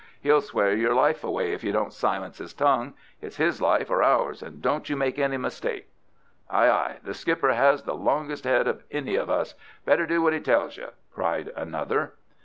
He'll swear your life away if you don't silence his tongue. It's his life or ours, and don't you make any mistake." "Aye, aye, the skipper has the longest head of any of us. Better do what he tells you," cried another.